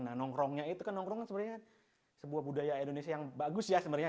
nah nongkrongnya itu kan nongkrong sebenarnya sebuah budaya indonesia yang bagus ya sebenarnya